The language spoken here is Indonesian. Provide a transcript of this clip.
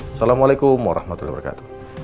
assalamualaikum warahmatullahi wabarakatuh